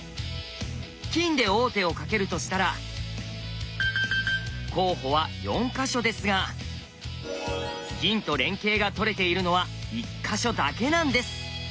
金で王手をかけるとしたら候補は４か所ですが銀と連係が取れているのは１か所だけなんです！